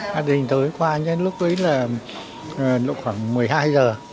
hà đình tới qua lúc đấy là khoảng một mươi hai giờ